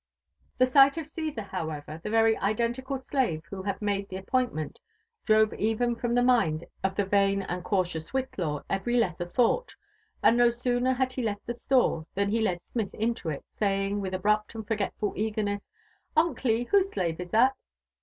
The sight of C«sar however, the very identical sj^ve who had i^ade the appointn^eat, drove ev^n from the m^nd of the. vaiipi and cautiouis Whitlaw every lesser thought ; and no sooner had he )eft the store, than he led ^mittt into it, saying with abrupt aqd (orgetful eagaJEOi^Sji, Aunt Cli, whoae oMive is that?"